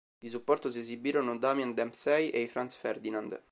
Di supporto si esibirono Damien Dempsey e i Franz Ferdinand.